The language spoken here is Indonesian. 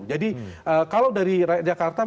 kalau dari rakyat jakarta